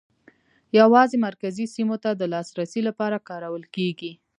یوازې مرکزي سیمو ته د لاسرسي لپاره کارول کېږي.